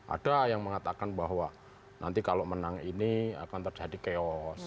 ada yang mengatakan bahwa nanti kalau menang ini akan terjadi chaos